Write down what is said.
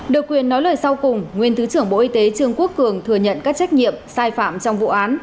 được quyền nói lời sau cùng nguyên thứ trưởng bộ y tế trương quốc cường thừa nhận các trách nhiệm sai phạm trong vụ án